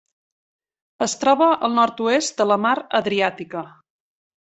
Es troba al nord-oest de la Mar Adriàtica.